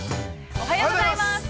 ◆おはようございます。